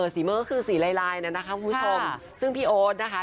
สีเมอร์ก็คือสีลายลายนั้นนะคะคุณผู้ชมซึ่งพี่โอ๊ตนะคะ